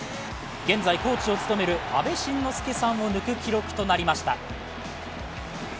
現在コーチを務める阿部慎之助さんを抜く記録となりました。